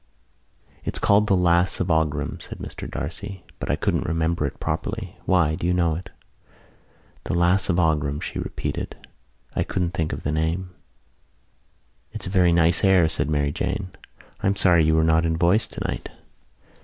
"It's called The Lass of Aughrim," said Mr D'Arcy, "but I couldn't remember it properly. Why? Do you know it?" "The Lass of Aughrim," she repeated. "I couldn't think of the name." "It's a very nice air," said Mary Jane. "I'm sorry you were not in voice tonight."